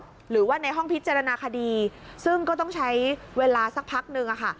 หรือว่าในห้องพิจารณาคดีซึ่งก็ต้องใช้เวลาสักพักนึงอะค่ะ